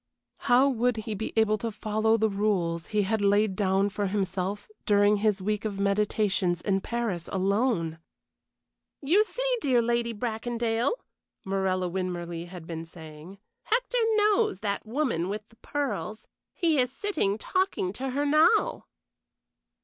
How would he be able to follow the rules he had laid down for himself during his week of meditations in Paris alone? "You see, dear Lady Bracondale," Morella Winmarleigh had been saying, "Hector knows that woman with the pearls. He is sitting talking to her now."